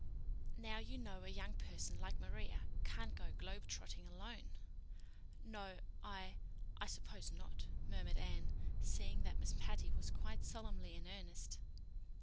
Now, you know a young person like Maria can't go globetrotting alone." "No—I—I suppose not," murmured Anne, seeing that Miss Patty was quite solemnly in earnest.